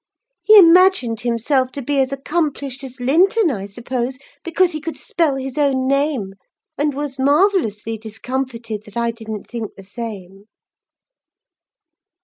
He imagined himself to be as accomplished as Linton, I suppose, because he could spell his own name; and was marvellously discomfited that I didn't think the same."